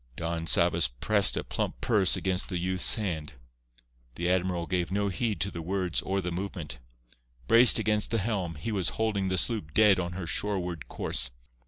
Don Sabas pressed a plump purse against the youth's hand. The admiral gave no heed to the words or the movement. Braced against the helm, he was holding the sloop dead on her shoreward course.